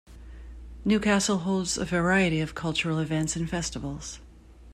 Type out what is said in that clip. Newcastle holds a variety of cultural events and festivals.